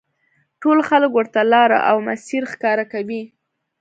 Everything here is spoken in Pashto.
ټول خلک ورته لاره او مسیر ښکاره کوي.